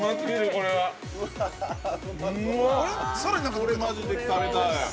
◆これマジで食べたい。